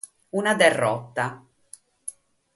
Una derrota.